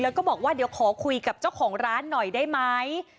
แล้วก็บอกว่าเดี๋ยวขอคุยกับเจ้าของร้านหน่อยได้ไหม